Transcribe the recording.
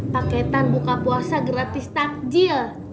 paketan buka puasa gratis takjil